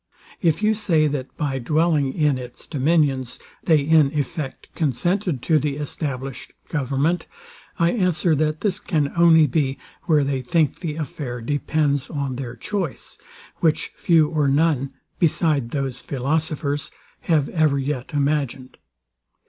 If you say, that by dwelling in its dominions, they in effect consented to the established government; I answer, that this can only be, where they think the affair depends on their choice, which few or none, beside those philosophers, have ever yet imagined.